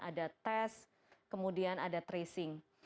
ada tes kemudian ada tracing